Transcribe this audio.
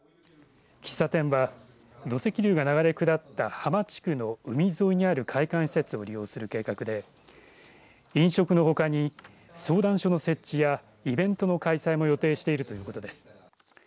喫茶店は、土石流が流れ下った浜地区の海沿いにある海岸施設を利用する計画で飲食のほかに相談所の設置やイベントの開催も予定しているということです。